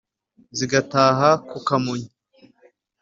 zigataha ku kamonyi.